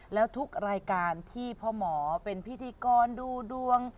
แล้วทุกรายการที่พ่อหมอเป็นพิธีกรดูดวง